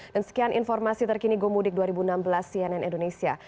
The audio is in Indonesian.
dan sekian informasi terkini gomudik dua ribu enam belas cnn indonesia